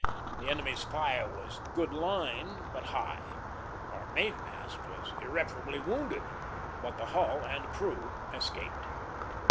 The enemy's fire was "good line, but high;" our main mast was irreparably wounded, but the hull and crew escaped.